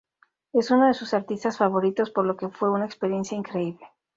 Es uno de sus artistas favoritos, por lo que fue una experiencia increíble".